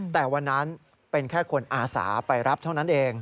แต่วันนั้นเป็นแค่คนอาสาไปรับเท่านั้นเอง